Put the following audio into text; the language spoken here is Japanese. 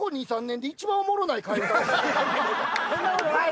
そんなことない！